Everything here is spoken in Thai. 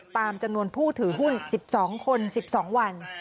ตามจำนวนผู้ถือหุ้น๑๒คน๑๒วัน